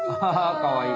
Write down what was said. かわいい！